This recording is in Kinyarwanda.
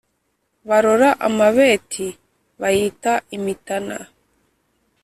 Barora amabeti, bayita imitana;